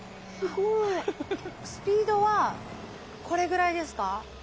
スピードはこれぐらいですか？